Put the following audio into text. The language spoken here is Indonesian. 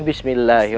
aku akan menangkapmu